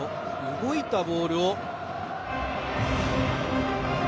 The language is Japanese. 動いたボールを。